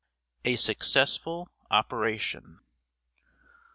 _A Successful Operation.